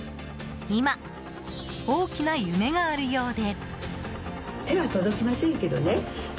今、大きな夢があるようで。